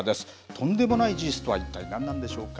とんでもない事実とは一体何なんでしょうか。